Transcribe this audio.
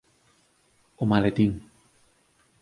O maletín.